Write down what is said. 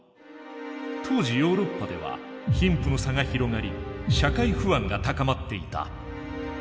当時ヨーロッパでは貧富の差が広がり社会不安が高まっていた。